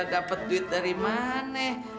dapet duit dari mana